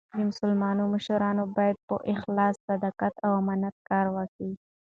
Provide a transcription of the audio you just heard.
د مسلمانانو مشران باید په اخلاص، صداقت او امانت کار وکي.